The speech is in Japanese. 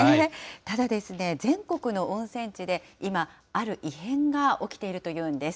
ただですね、全国の温泉地で、今、ある異変が起きているというんです。